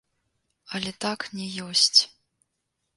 Але так не ёсць.